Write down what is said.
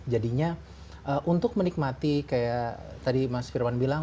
jadinya untuk menikmati kayak tadi mas firman bilang